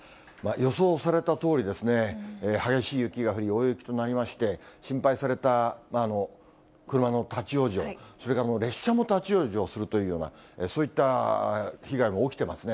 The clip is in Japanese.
予想されたとおりですね、激しい雪が降り、大雪となりまして、心配された車の立往生、それから列車も立往生するというような、そういった被害が起きてますね。